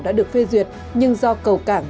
đã được phê duyệt nhưng do cầu cảng